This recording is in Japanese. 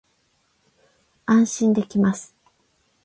安心できます